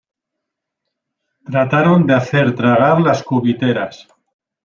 trataron de hacer tragar las cubiteras